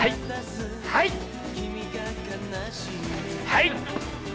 はい！